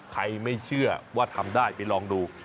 ไม่เชื่อว่าทำได้ไปลองดู